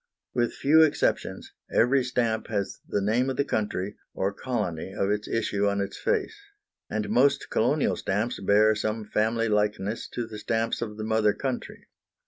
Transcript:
With few exceptions, every stamp has the name of the country, or colony, of its issue on its face; and most colonial stamps bear some family likeness to the stamps of the mother country.